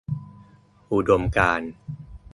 อุดมการณ์